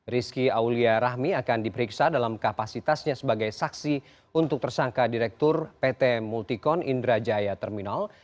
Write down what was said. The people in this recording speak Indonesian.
rizky aulia rahmi akan diperiksa dalam kapasitasnya sebagai saksi untuk tersangka direktur pt multikon indrajaya terminal